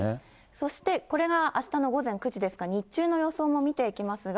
そしてこれが、あしたの午前９時ですが、日中の予想も見ていきますが。